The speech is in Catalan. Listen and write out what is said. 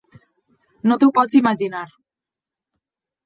No t’ho pots imaginar!